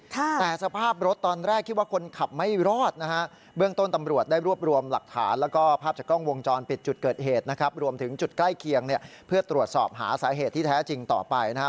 แต่สภาพรถตอนแรกคิดว่าคนขับไม่รอดนะฮะ